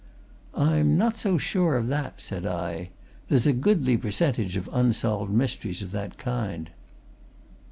"I'm not so sure of that," said I. "There's a goodly percentage of unsolved mysteries of that kind."